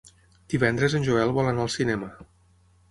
Divendres en Joel vol anar al cinema.